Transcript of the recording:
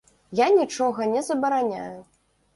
Я нічога не забараняю.